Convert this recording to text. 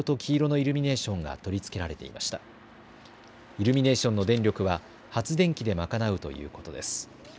イルミネーションの電力は発電機で賄うということです。